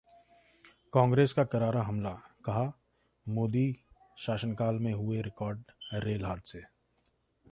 कांग्रेस का करारा हमला, कहा- मोदी शासनकाल में हुए रिकॉर्ड रेल हादसे